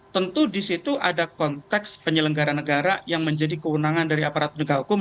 tentu di situ ada konteks penyelenggara negara yang menjadi kewenangan dari aparat penegak hukum